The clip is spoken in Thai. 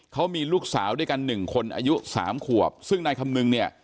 เขามีลูกสาวด้วยกันหนึ่งคนอายุสามขวบซึ่งนายคำนึงเนี่ย